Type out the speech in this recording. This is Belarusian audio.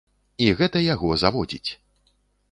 І гэта яго заводзіць.